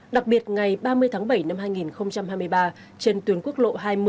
đặc biệt ngày ba mươi tháng bảy năm hai nghìn hai mươi ba trên tuyến quốc lộ hai mươi